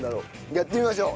やってみましょう。